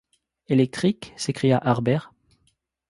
Électrique? s’écria Harbert.